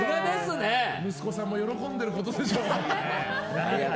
息子さんも喜んでることでしょう。